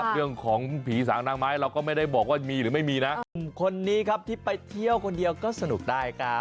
เรื่องของผีสางนางไม้เราก็ไม่ได้บอกว่ามีหรือไม่มีนะ